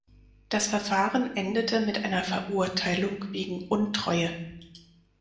Das Verfahren endete mit einer Verurteilung wegen Untreue.